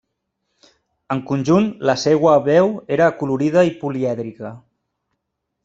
En conjunt, la seua veu era acolorida i polièdrica.